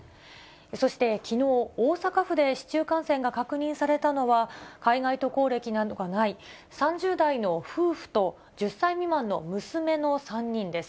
そして、きのう、大阪府で市中感染が確認されたのは海外渡航歴などがない３０代の夫婦と１０歳未満の娘の３人です。